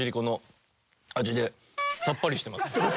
さっぱりしてます。